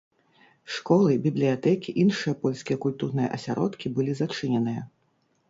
Школы, бібліятэкі, іншыя польскія культурныя асяродкі былі зачыненыя.